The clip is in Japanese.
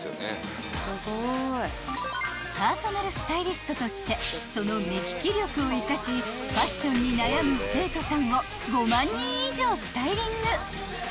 ［パーソナルスタイリストとしてその目利き力を生かしファッションに悩む生徒さんを５万人以上スタイリング］